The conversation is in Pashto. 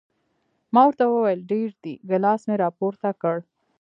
ما ورته وویل ډېر دي، ګیلاس مې را پورته کړ.